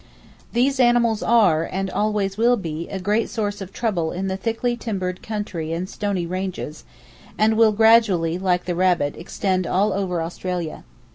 These animals are, and always will be, a great source of trouble in the thickly timbered country and stony ranges, and will gradually, like the rabbit, extend all over Australia.